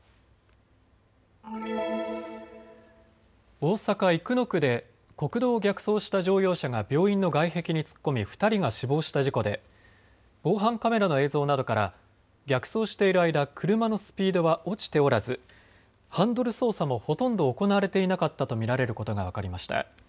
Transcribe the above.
大阪生野区で国道を逆走した乗用車が病院の外壁に突っ込み２人が死亡した事故で防犯カメラの映像などから逆走している間、車のスピードは落ちておらずハンドル操作もほとんど行われていなかったと見られることが分かりました。